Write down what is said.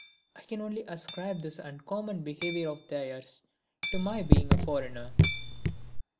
I can only ascribe this uncommon behaviour of theirs to my being a foreigner.